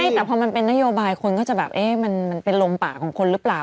ใช่แต่พอมันเป็นนโยบายคนก็จะแบบเอ๊ะมันเป็นลมปากของคนหรือเปล่า